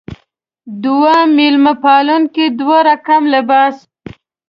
دوه میلمه پالونکې دوه رقم لباس.